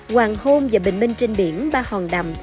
hoàng hôn và bình minh trên biển ba hòn đầm